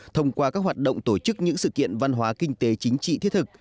thông qua các hoạt động tổ chức những sự kiện văn hóa kinh tế chính trị thiết thực